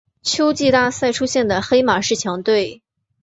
秋季大赛出现的黑马式强队。